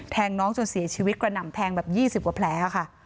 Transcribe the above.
น้องจนเสียชีวิตกระหน่ำแทงแบบ๒๐กว่าแผลค่ะ